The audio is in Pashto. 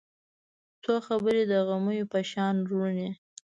څو خبرې د غمیو په شان روڼې